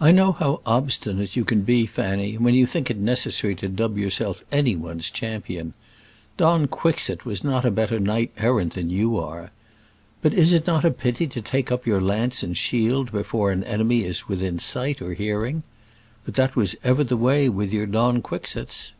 "I know how obstinate you can be, Fanny, when you think it necessary to dub yourself any one's champion. Don Quixote was not a better knight errant than you are. But is it not a pity to take up your lance and shield before an enemy is within sight or hearing? But that was ever the way with your Don Quixotes."